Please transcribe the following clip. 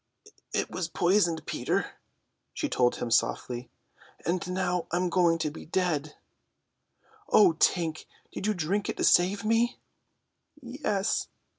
"It was poisoned, Peter," she told him softly; "and now I am going to be dead." "O Tink, did you drink it to save me?" "Yes."